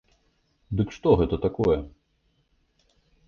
Дык што гэта такое?